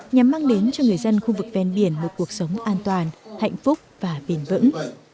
nhằm mang đến cho người dân khu vực ven biển một cuộc sống an toàn hạnh phúc và bền vững